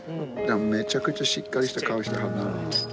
めちゃくちゃしっかりした顔してはるなあ。